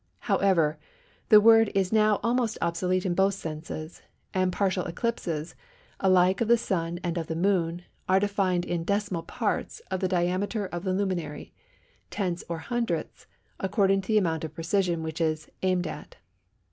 However, the word is now almost obsolete in both senses, and partial eclipses, alike of the Sun and of the Moon, are defined in decimal parts of the diameter of the luminary—tenths or hundredths according to the amount of precision which is aimed at.